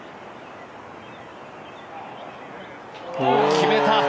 決めた！